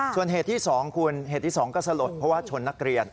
ส่วนเหตุที่๒คุณเหตุที่๒ก็สลดเพราะว่าชนนักเรียน